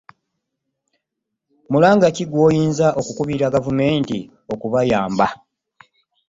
Mulanga ki gw'oyinza okukubira gavumenti okubayamba?